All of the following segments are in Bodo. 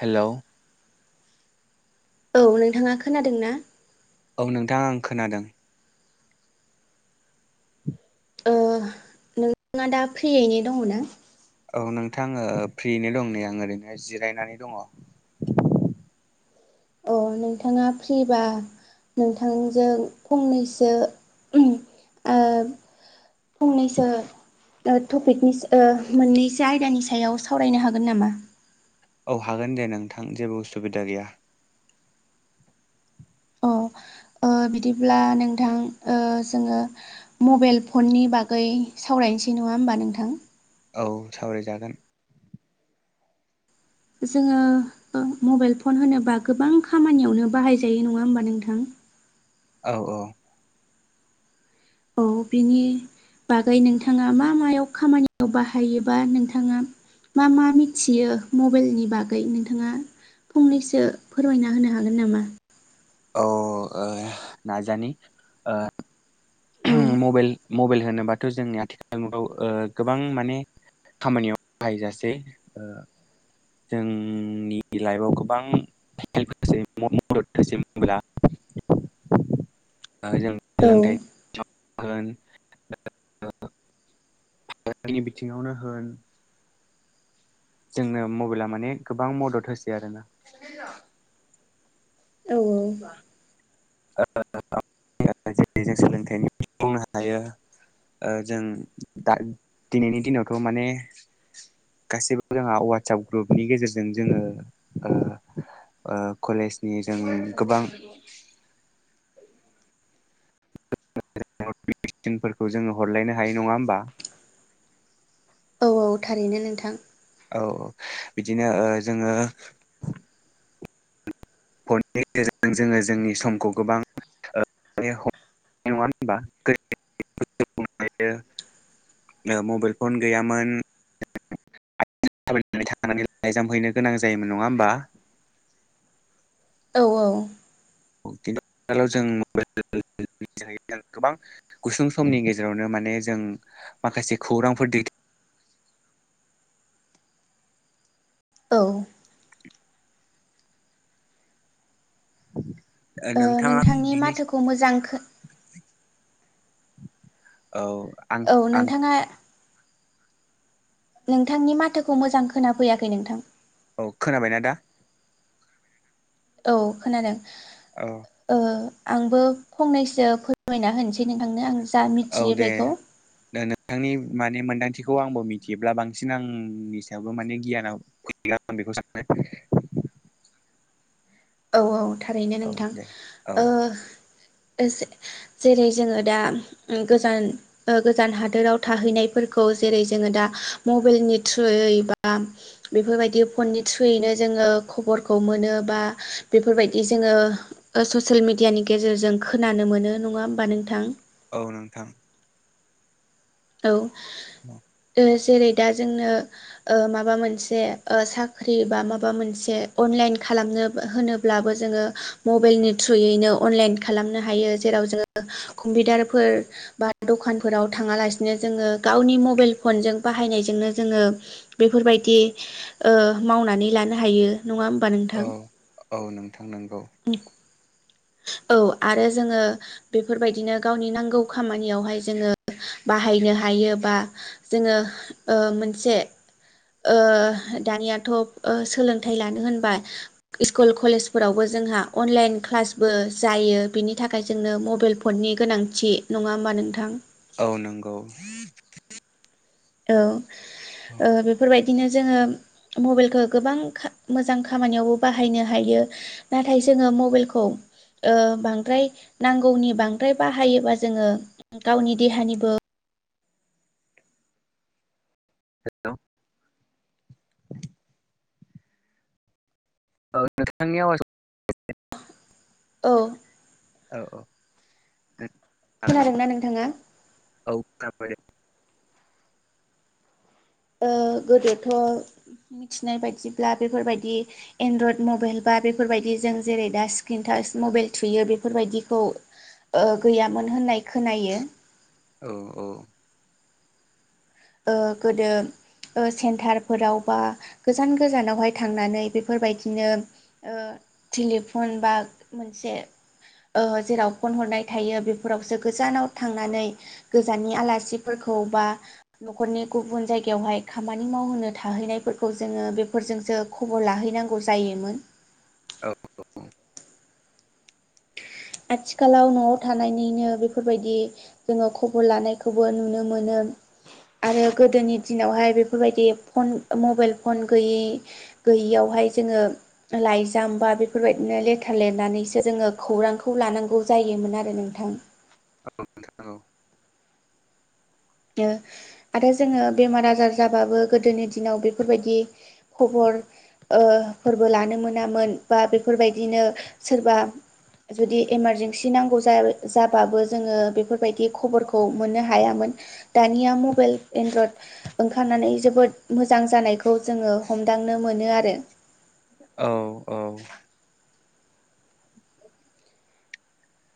हेलौ। औ नोंथाङा खोनादों ना? औ नोंथां आं खोनादों। ओ नोंथाङा दा फ्रियैनो दङ ना? औ नोंथां ओ फ्रियैनो दं नै आं ओरैनोहाय जिरायनानै दङ। अ नोंथाङा फ्रिबा नोंथांजों फंनैसो ओ फंनैसो ओ टपिकनि ओ मोननैसो आयदानि सायाव सावरायनो हागोन नामा? औ हागोन दे नोंथां जेबो उसुबिदा गैया। अ। ओ बिदिब्ला नोंथां ओ जोङो मबाइल फननि बागै सावरायनो सै नङा होमबा नोंथां? औ सावरायजागोन। जोङो मबाइल फन होनोबा गोबां खामानियावनो बाहायजायो नङा होमबा नोंथां? औ औ। औ बिनि बागै नोंथाङा मा मायाव खामानियाव बाहायोबा नोंथाङा मा मा मिथियो मबाइलनि बागै नोंथाङा फंनैसो फोरमायना होनो हागोन नामा? अ ओ नाजानि ओ औ मबाइल मबाइल होनोबाथ' जोंनि आथिखालानि मुगायाव ओ गोबां माने खामानियाव बाहायजासै ओ जोंनि लाइफआव गोबां हेल्प होसै। मदद होसै मबाइला। [inaudible] जों औ सोलोंथाइ [inaudible] [unintelligible] बिथिङावनो होन जोंनो मबाइला माने गोबां मदद होसै आरोना औ औ [unintelligible] बुंनो हायो ओ जों दा दिनैनि दिनावथ' माने गासैबो जोंहा वाटसाप ग्रुपनि गेजेरजों जोङो ओ कलेजनि जों गोबां नटिफिकेसनफोरखौ जोङो हरलायनो हायो नङा होमबा औ औ थारैनो नोंथां औ बिदिनो ओ जोङो फननि गेजेरजों जोङो जोंनि समखौ गोबां [unintelligible] नङा होमबा [unintelligible] [unintelligible] मबाइल फन गैयामोन थायनानै थांनानै लाइजामफैनो गोनां जायोमोन नङा होमबा औ औ [unintelligible] जों [unintelligible] जों गोबां गुसुं समनि गेजेरावनो माने जों माखासे खौरांफोर दै [inaudible] औ ओ नोंथाङा नोंथांनि बिनि माथोखौ मोजां खो औ आं औ आं नोंथांआ नोंथांनि माथोखौ मोजां खोनाफैयाखै नोंथां औ खोनाबाय ना दा औ खोनादों औ ओ आंबो फंनैसो फोरमायना होनोसै नोंथांनो आं जा औ मिथियो दे बेखौ द नोंथांनि माने मोन्दांथिखौ आंबो मिथियोब्ला बांसिन आंनि सायावबो माने गियानाव फैगोन बेखौ सान [inaudible] औ औ थारैनो औ नोंथां दे औ जेरै जोङो दा गोजान गोजान हादोराव थाहैनायफोरखौ जेरै जोङो दा मबाइलनि थ्रुयै बा बेफोरबायदि फननि थ्रुयैनो जोङो खबरखौ मोनो बा बेफोरबायदि जोङो ओ ससियेल मेडियानि गेजेरजों खोनानो मोनो नङा होमबा नोंथां औ नोंथां औ औ ओ जेरै दा जोंनो ओ माबा मोनसे ओ साख्रि बा माबा मोनसे अनलाइन खालामनो होनोब्लाबो जोङो मबाइलनि थ्रुयैनो अनलाइन खालामनो हायो जेराव जोङो कम्पिउटारफोर बा दखानफोराव थाङालासिनो बिदिनो जोङो गावनि मबाइल फनजों बाहायनायजोंनो जोङो बेफोरबायदि ओ मावनानै लानो हायो नङा होमबा औ नोंथां औ नोंथां नोंगौ। [unintelligible] औ आरो जोङो बेफोरबायदिनो गावनि नांगौ खामानियावहाय जोङो बाहायनो हायो बा जोङो ओ मोनसे ओ दानियाथ'ओ सोलोंथाइ लानो होनबा स्कुल कलेजफोरावबो ज जोंहा अनलाइन क्लासबो जायो बेनि थाखाय जोंनो मबाइल फननि गोनांथि नङा होमबा नोंथां औ नंगौ। औ ओ बेफोरबायदि बिदिनो जोङो मबाइलखौ गोबां खा मोजां खामानियावबो बाहायनो हायो नाथाय जों जोङो मबाइलखौ ओ बांद्राय नांगौनि बांद्राय बाहायोबा जोङो गावनि देहानिबो हेल' औ नोंथांनि आवाजखौ औ। औ नों खोनादोंना नोंथाङा? औ खाबोरो ओ गोदोथ' मिथिनाय बायदिब्ला बेफोरबायदि एनड्रयद मबाइल बा बेफोरबायदि जों जेरै दा स्क्रिन थास थास मबाइेल थुयो बेफोरबायदिखौ गैयामोन होननाय खोनायो। औ औ। ओ गोदो ओ सेन्टारफोराव बा गोजान गोजानावहाय थांनानै बेफोरबायदिनो ओ टेलिफन बा मोनसे ओ जेराव फन हरनाय थायो बेफोरावसो गोजानाव थांनानै गोजाननि आलासिफोरखौ खौ बा न'खरनि गुबुन जायगायावहाय खामानि मावहोनो थाहैनायफोरखौ जोङो बेफोरजोंसो खबर लाहै नांगौ जायोमोन। औ। आथिखालाव न'आव थानायननिनो बेफोरबायदि जोङो खबर लानायखौबो नुनो मोनो। [unintelligible] आरो गोदोनि दिनावहाय बेफोरबायदि फन मबाइल फन गैयै गैयियाव हाय जोङो लाइजाम बा बेफोरबायदिनो लेटार लेरनानैसो जोङो खौरांखौ खौ लानांगौ जायोमोन आरो नोंथां। औ नंगौ। नो आरो जोङो बेमार आजार जाबाबो गोदोनि दिनाव बेफोरबायदि खबर ओ फोरबो लानो मोनामोन बा बेफोरबायदिनो सोरबा‌ जुदि इमारजेन्सि नांगौ जाया जाबाबो जोङो बेफोरबायदि खबरखौ मोननो हायामोन दानिया मबाइल एन्द्रयेद ओंखारनानै जोबोद मोजां जानायखौ जोङो हमदांनो मोनो आरो। औ-औ।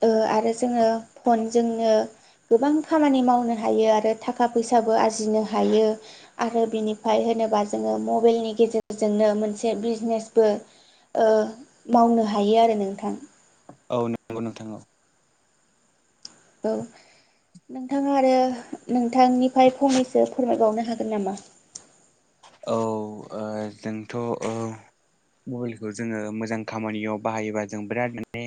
ओ आरो जोङो फनजोंनो गोबां खामानि मावनो हायो आरो थाखा फैसाबो आरजिनो हायो आरो बिनिफ्राय होनोबा जोङो मबाइलनि गेजेरजोंनो मोनसे बिजनेसबो ओ मावनो हायो आरो नोंथां। औ नंगौ नोंथां औ। औ। नोंथाङा आरो नोंथांनिफ्राय फंनैसो फोरमायबावनो हागोन नामा? [inaudible] औ ओ जोंथ औ मबाइलखौ जोङो मोजां खामानियाव बाहायोबा जों बिराद माने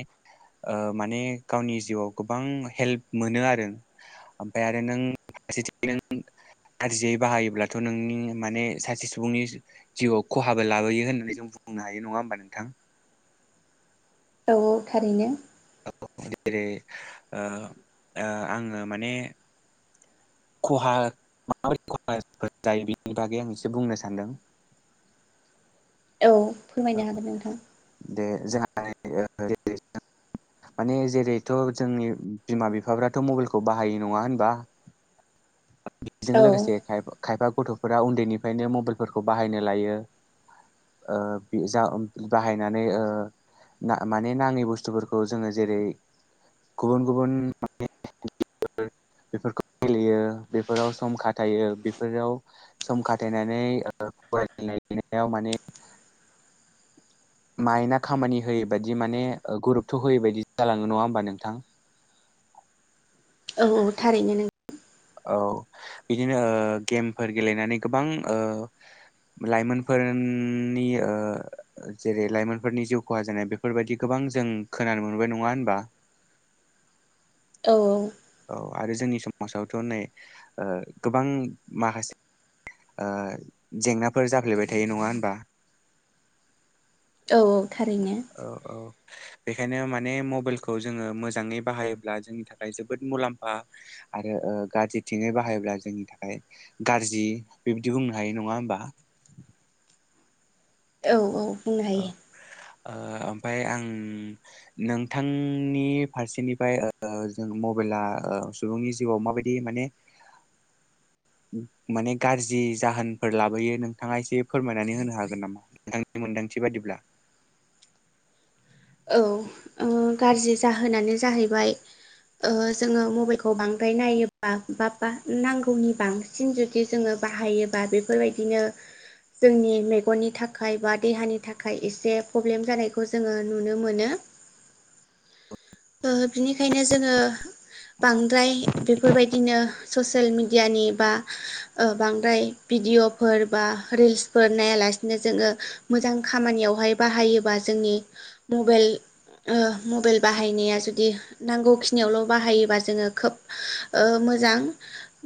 ओ माने गावनि जिउआव गोबां हेल्प मोनो आरो। ओमफ्राय आरो गुबुन फारेथिं नों गाज्रियै बाहायोब्लाथ नोंनि माने सासे सुबुंनि जिउआव खहाबो लाबोयो होननानै जों बुंनो हायो नङा होमबा नोंथां। औ-औ थारैनो। जेरै ओ ओ आङो माने खहा माबायदि खहाफोर जायो बेनि बागै आं एसे बुंनो सानदों। औ फोरमायनो हागोन नोंथां। [unintelligible] माने जेरैथ' जोंनि बिमा बिफाफ्राथ' मबाइलखौ बाहायो नङा होनबा? बेजों औ लोगोसे खायफा गथ'फोरा उन्दैनिफ्रायनो मबाइलफोरखौ बाहायनो लायो। ओ बे जानबुं बाहायनानै ओ ना माने नाङै बुस्थुफोरखौ जोङो जेरै गुबुन गुबुन [unintelligible] बेफोरखौ गेलेयो बे फोराव सम खाथायो बेफोराव सम खाथायनानै ओ फरायनाय लिरनायाव माने [inaudible] मायन्डआ खामानि होयै बायदि माने ओ गुरुत्व होयै बायदि जालाङो नङा होमबा नोंथां? औ औ थारैनो [unintelligible] औ बिदिनो ओ गेमफोर गेलेनानै गोबां ओ लाइमोनफोरनि ओ जेरै लाइमोनफोरनि जिउ खहा जानाया बेफोरबायदि गोबां जों खोनानो मोनबाय नङा होनबा? औ औ। औ आरो जोंनि समाजावथ' नै ओ गोबां माखासे ओ जेंनाफोर जाफ्लेबाय थायो नङा होनबा? औ औ थारैनो औ औ बेखायनो माने मबाइलखौ जोङो मोजाङै बाहायोब्ला जोंनि थाखाय जोबोद मुलाम्फा आरो ओ गाज्रिथिंयै बाहायोब्ला जोंनि थाखाय गाज्रि बिबदि बुंनो हायो नङा होमबा? [inaudible] औ औ बुंनो औ हायो। ओ ओमफाय आं नोंथांनि फारसेनिफ्राय जों मबेल आ सुबुंनि जिउआव माबायदि माने [inaudible] माने गाज्रि जाहोनफोर लाबोयो नोंथाङा एसे फोरमायनानै होनो हागोन नामा? नोंथांनि मोनदांथि बादिब्ला औ ओ गाज्रि जाहोनानो जाहैबाय जोङो मबाइलखौ बांद्राय नायोबा बा बा नांगौनि बांसिन जुदि जोङो बाहायोबा बेफोरबायदिनो जोंनि मेगननि थाखाय बा देहानि थाखाय एसे प्रब्लेम जानायखौ जोङो नुनो मोनो। ओ बिनिखायनो जोङो बांद्राय बेफोरबायदिनो ससियेल मिडियानि बा ओ बांद्राय बि भिदिअफोर बा रिल्सफोर नायालासिनो जोङो मोजां खामानियावहाय बाहायोबा जोङ नि मबेल ओ मबाइल बाहायनाया जुदि नांगौखिनियावल' बाहायोबा जोङो खोब ओ मोजां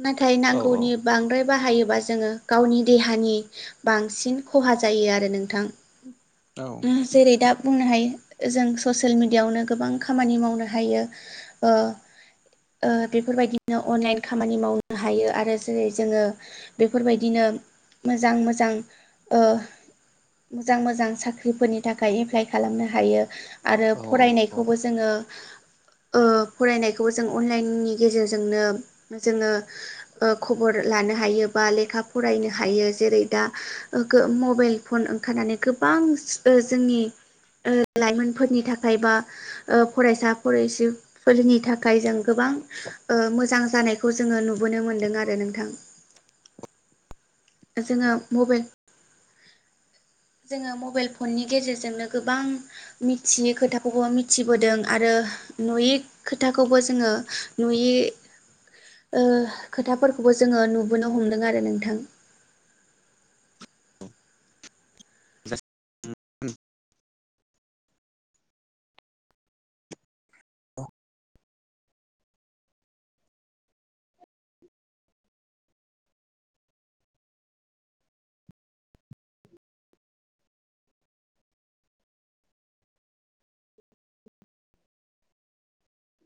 नाथाय औ औ नांगौनि बांद्राय बाहायोबा जोङो गावनि देहानि बांसिन खहा जायो आरो नोंथां। औ दा जेरै दा बुंनो हायो जों ससेल मिडियायावनो गोबां खामानि मावनो हायो ओ ओ बेफोरबायदिनो अनलाइन खामानि मावनो हायो आरो जेरै जोङो बेफोरबायदिनो मोजां मोजां ओ मोजां मोजां साख्रिफोरनि थाखाय एप्लाइ खालामनो हायो आरो औ औ फरायनायखौबो जोङो ओ फरायनायखौबो जों अनलाइननि गेजेरजोंनो जोङो ओ खबर लानो हायो बा लेखा फरायनो हायो जेरै दा मबाइल फन ओंखारनानै गोबां ओ जोंनि ओ लाइमोनफोरनि थाखाय बा फरायसा -फरायसफोरनि थाखाय जों गोबां ओ मोजां जानायखौ जोङो नुबोनो मोनदों आरो नोंथां। जोङो मबाइल जोङो मबाइल फननि गेजेरजोंनो गोबां मिथियै खोथाबो मिथिबोदों आरो नुयै खोथाखौबो जोङो नुयै ओ खोथाफोरखौबो जोङो नुबोनो हमदों आरो नोंथां। [inaudible] जासिगोन दां नोंथां। औ